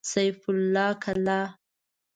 سيف الله کلا